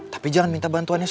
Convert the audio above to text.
tapi jangan minta bantuannya